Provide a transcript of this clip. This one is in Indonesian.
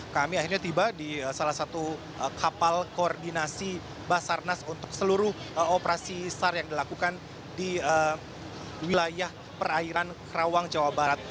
kami akhirnya tiba di salah satu kapal koordinasi basarnas untuk seluruh operasi sar yang dilakukan di wilayah perairan kerawang jawa barat